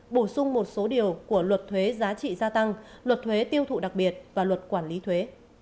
bổ sung một số điều của luật thuế giá trị gia tăng luật thuế tiêu thụ đặc biệt và luật quản lý thuế